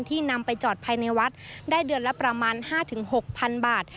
นำไปจอดภายในวัดได้เดือนละประมาณ๕๖๐๐๐บาท